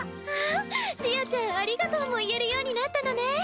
フフッちあちゃんありがとうも言えるようになったのね。